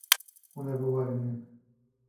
Hûn ê bibarînin.